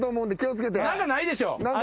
何かないでしょ